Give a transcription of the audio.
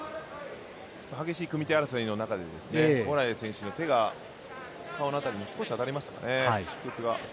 激しい組み手争いの中でですね、モラエイ選手の手が顔の辺りに少し当たりましたかね。